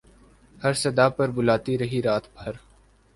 ہر صدا پر بلاتی رہی رات بھر